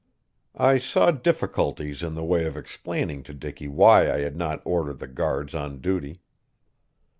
I saw difficulties in the way of explaining to Dicky why I had not ordered the guards on duty.